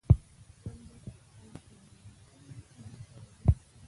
اندړ او سلیمان خېل نه سره جلاکیږي